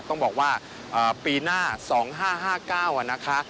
ต้องบอกว่าปีหน้า๒๕๕๙นะคะ